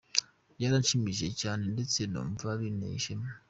Byaranshimishije cyane, ndetse numva binteye ishema.